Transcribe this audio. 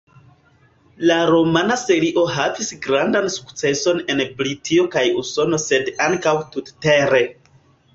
La romana serio havis grandan sukceson en Britio kaj Usono sed ankaŭ tut-tere.